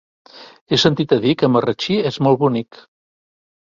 He sentit a dir que Marratxí és molt bonic.